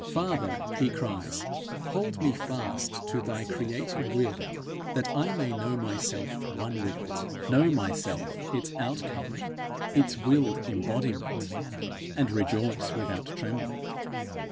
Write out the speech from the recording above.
'Father,' he cries, 'hold me fast to thy creating will, that I may know myself one with it, know myself its outcome, its willed embodiment, and rejoice without trembling.